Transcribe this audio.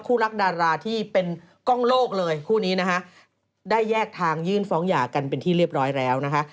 รักดาราที่เป็นกล้องโลกเลยคู่นี้นะคะได้แยกทางยื่นฟ้องหย่ากันเป็นที่เรียบร้อยแล้วนะคะ